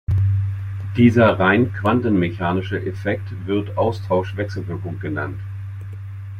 Dieser rein quantenmechanische Effekt wird Austauschwechselwirkung genannt.